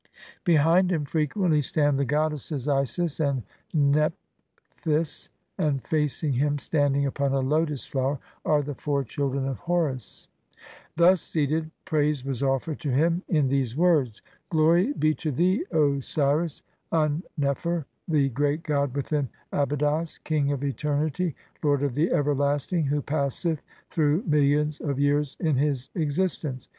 Be hind him frequently stand the goddesses Isis and Nephthys, and facing him, standing upon a lotus flower, are the four children of Horus (see p. 14). Thus seated praise was offered to him in these words :— "Glory be to thee, Osiris Un nefer, the "great god within Abydos, king of eternity, lord of "the everlasting, who passeth through millions of "years in his existence" (p.